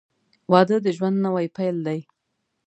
• واده د ژوند نوی پیل دی.